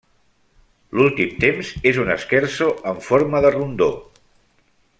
L'últim temps és un Scherzo en forma de rondó.